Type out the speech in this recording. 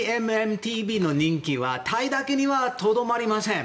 ＧＭＭＴＶの人気はタイだけにはとどまりません。